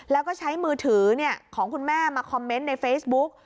แล้วก็ใช้มือถือของคุณแม่มาคอมเมนต์ในเฟซบุ๊ก